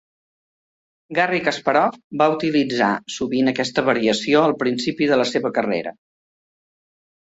Garry Kasparov va utilitzar sovint aquesta variació al principi de la seva carrera.